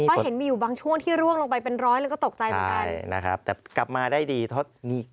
ก็เห็นมีอยู่บางช่วงที่ร่วงลงไปเป็นร้อยแล้วก็ตกใจตัวเนียน